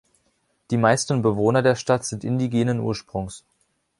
Die meisten Bewohner der Stadt sind indigenen Ursprungs.